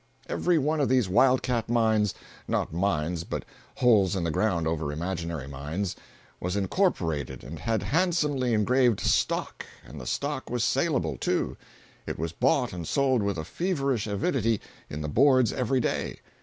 Every one of these wild cat mines—not mines, but holes in the ground over imaginary mines—was incorporated and had handsomely engraved "stock" and the stock was salable, too. It was bought and sold with a feverish avidity in the boards every day.